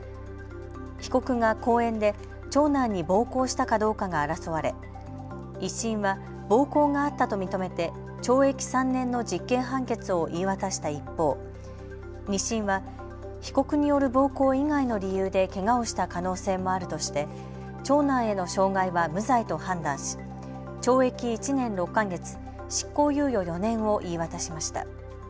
被告が公園で長男に暴行したかどうかが争われ１審は暴行があったと認めて懲役３年の実刑判決を言い渡した一方、２審は被告による暴行以外の理由でけがをした可能性もあるとして長男への傷害は無罪と判断し懲役１年６か月、執行猶予４年を言い渡しました。